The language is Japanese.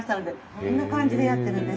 こんな感じでやってるんです。